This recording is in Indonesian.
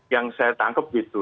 yang saya tangkap begitu